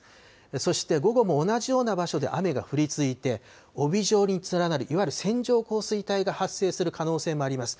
そして午後も同じような場所で雨が降り続いて、帯状に連なる、いわゆる線状降水帯が発生する可能性もあります。